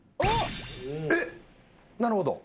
えっなるほど。